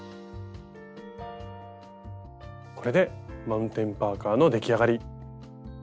これでマウンテンパーカーの出来上がり！